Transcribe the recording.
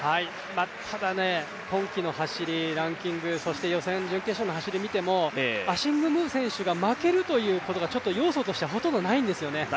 ただ、今季の走り、ランキング予選、準決勝の走りを見てもアシング・ムー選手が負けるということが要素としてはほとんどないんですよね。